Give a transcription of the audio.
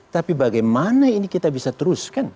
tapi bagaimana ini kita bisa teruskan